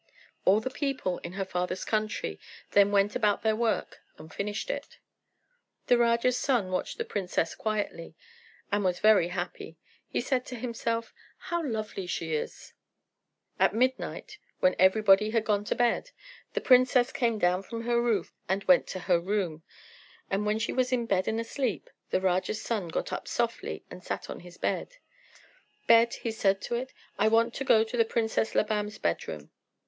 All the people in her father's country then went about their work and finished it. The Raja's son watched the princess quietly, and was very happy. He said to himself, "How lovely she is!" At midnight, when everybody had gone to bed, the princess came down from her roof, and went to her room; and when she was in bed and asleep, the Raja's son got up softly, and sat on his bed. "Bed," he said to it, "I want to go to the Princess Labam's bed room."